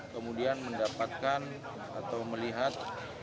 kemudian mendapatkan atau melihat